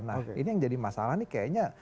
nah ini yang jadi masalah nih kayaknya